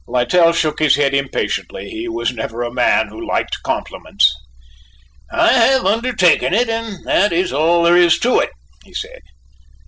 Littell shook his head impatiently; he was never a man who liked compliments. "I have undertaken it, and that is all there is to it," he said.